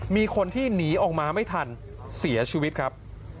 มีคนที่หนีออกมาไม่ทันเสียชีวิตครับ